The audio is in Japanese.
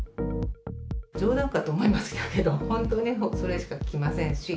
冗談かと思いましたけど、本当にそれしか来ませんし。